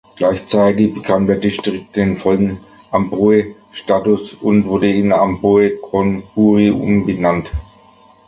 Gleichzeitig bekam der Distrikt den vollen Amphoe-Status und wurde in „Amphoe Khon Buri“ umbenannt.